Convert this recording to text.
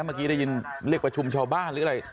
เมื่อกี้ได้ยินเรียกประชุมชาวบ้านหรืออะไร